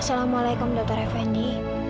assalamualaikum dokter effendi